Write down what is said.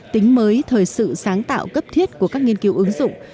tính mới thời sự sáng tạo cấp thiết của các nghiên cứu ứng dụng